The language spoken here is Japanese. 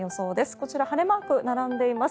こちら晴れマークが並んでいます。